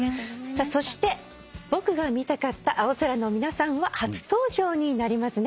そして僕が見たかった青空の皆さんは初登場になりますね。